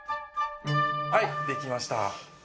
はい出来ました。